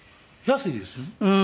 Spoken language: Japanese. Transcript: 安いですよね。